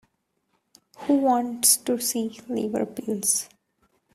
Who wants to see liver pills?